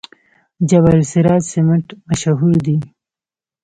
جبل السراج سمنټ مشهور دي؟